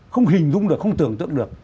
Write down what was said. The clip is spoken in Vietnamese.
không hình dung được không tưởng tượng được